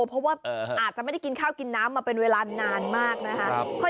เพราะว่าอาจจะไม่ได้กินข้าวกินน้ำมาเป็นเวลานานมากนะคะ